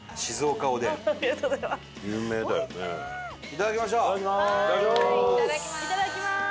いただきます！